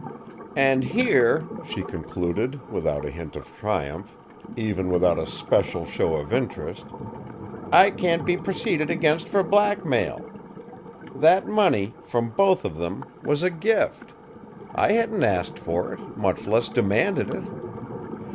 "And here," she concluded, without a hint of triumph, even without a special show of interest, "I can't be proceeded against for blackmail. That money, from both of them, was a gift. I hadn't asked for it, much less demanded it.